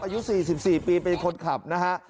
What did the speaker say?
อายุ๔๔ปีเป็นคนขับนะฮะ